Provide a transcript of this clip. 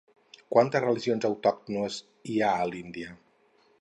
Quantes religions autòctones hi ha a l'Índia?